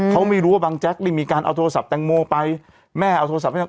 เขาไม่รู้ว่าบังแจ๊กได้มีการเอาโทรศัพท์แตงโมไปแม่เอาโทรศัพท์ให้